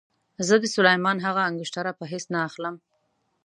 زه د سلیمان هغه انګشتره په هېڅ نه اخلم.